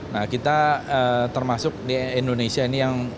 nah kita termasuk di indonesia ini yang ingin mencari solusi gitu